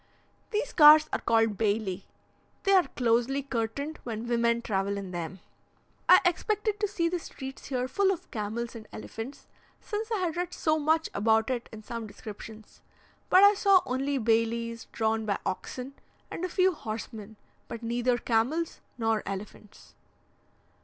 These cars are called baili. They are closely curtained when women travel in them. I expected to see the streets here full of camels and elephants, since I had read so much about it in some descriptions: but I saw only bailis drawn by oxen and a few horsemen, but neither camels nor elephants.